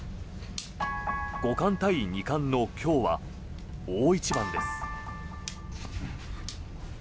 五冠対二冠の今日は大一番です。